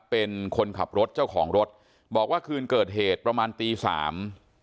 เป็นคนขับรถเจ้าของรถบอกว่าคืนเกิดเหตุประมาณตีสาม